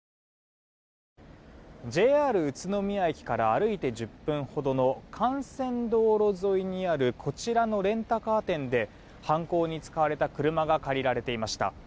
ＪＲ宇都宮駅から歩いて１０分ほどの幹線道路沿いにあるこちらのレンタカー店で犯行に使われた車が借りられていました。